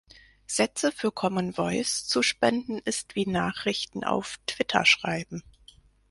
Sätze für Common Voice zu spenden ist wie Nachrichten auf Twitter schreiben.